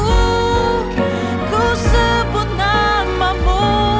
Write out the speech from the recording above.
aku sebut nama mu